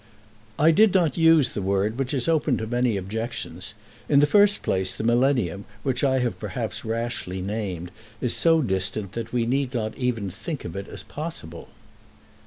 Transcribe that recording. "I did not use the word, which is open to many objections. In the first place the millennium, which I have perhaps rashly named, is so distant that we need not even think of it as possible.